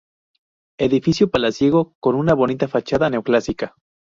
edificio palaciego con una bonita fachada neoclásica